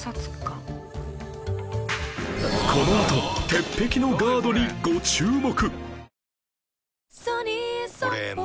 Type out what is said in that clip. このあと鉄壁のガードにご注目！